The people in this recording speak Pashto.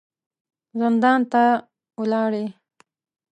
زندان ته ولاړې.